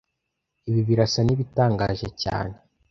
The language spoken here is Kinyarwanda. Ibi birasa n'ibitangaje cyane